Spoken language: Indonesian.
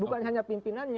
bukan hanya pimpinannya